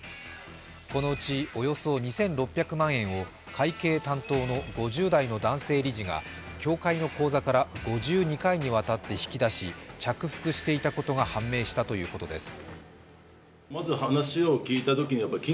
このうち、およそ２６００万円を会計担当の５０代の男性理事が協会の口座から５２回にわたって引き出し着服していたことが判明したということです。